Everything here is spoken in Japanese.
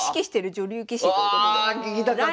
わあ聞きたかった！